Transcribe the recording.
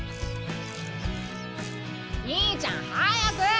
兄ちゃん早く。